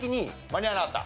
間に合わなかった？